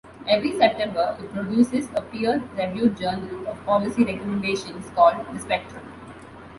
Every September, it produces a peer-reviewed journal of policy recommendations called "The Spectrum".